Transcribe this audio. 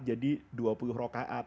jadi dua puluh rokaat